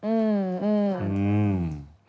อืม